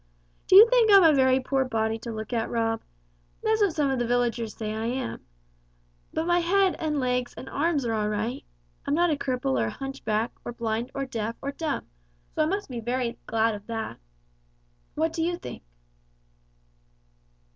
Do you think I'm a very poor body to look at, Rob? That's what some of the villagers say I am, but my head and legs and arms are all right. I'm not a cripple or a hunchback, or blind, or deaf, or dumb, so I must be very glad of that. What do you think?"